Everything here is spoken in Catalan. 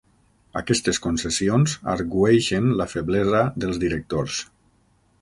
Aquestes concessions argüeixen la feblesa dels directors.